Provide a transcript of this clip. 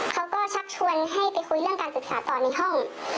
ชักชวนให้ไปคุยเรื่องการศึกษาต่อในห้อง